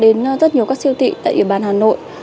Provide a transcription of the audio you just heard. tôi cũng đã đến rất nhiều các siêu thị tại địa bàn hà nội